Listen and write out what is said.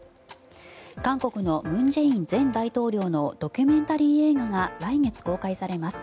韓国の文在寅前大統領のドキュメンタリー映画が来月、公開されます。